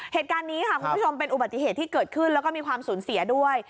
เหตุการณ์นี้ค่ะคุณผู้ชมเป็นอุบัติเหตุที่เกิดขึ้นแล้วก็มีความสูญเสียด้วย